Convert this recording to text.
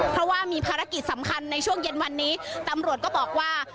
เพราะว่ามีภารกิจสำคัญในช่วงเย็นวันนี้ตำรวจก็บอกว่า